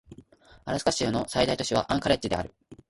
アラスカ州の最大都市はアンカレッジである